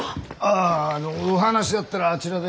ああお話だったらあちらで。